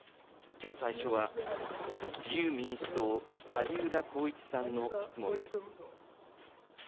きょう最初は、自由民主党、萩生田光一さんの質問です。